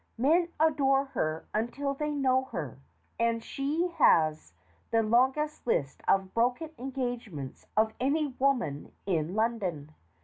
Men adore her until they know her, and she has the longest list of broken engagements of any woman in London.